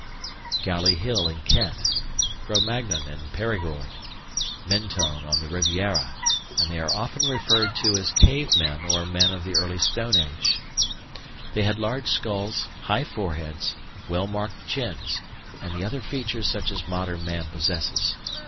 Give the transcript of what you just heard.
g. Combe Capelle in Dordogne, Galley Hill in Kent, Cro Magnon in Périgord, Mentone on the Riviera; and they are often referred to as "Cave men" or "men of the Early Stone Age." They had large skulls, high foreheads, well marked chins, and other features such as modern man possesses.